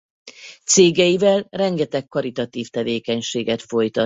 Cégeivel rengeteg karitatív tevékenységet folytat.